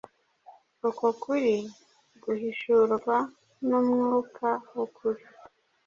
Uko kuri guhishurwa n’Umwuka w’Ukuri.